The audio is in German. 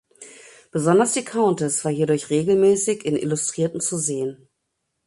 Besonders die Countess war hierdurch regelmäßig in Illustrierten zu sehen.